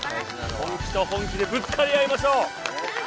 本気と本気でぶつかり合いましょう。